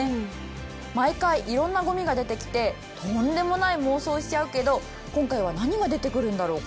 毎回いろんなごみが出てきてとんでもない妄想しちゃうけど今回は何が出てくるんだろうか？